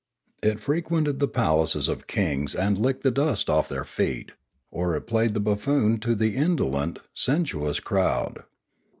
It fre quented the palaces of kings and licked the dust off their feet, or it played the buffoon to the indolent, sen suous crowd.